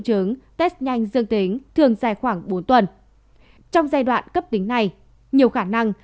chứng test nhanh dương tính thường dài khoảng bốn tuần trong giai đoạn cấp tính này nhiều khả năng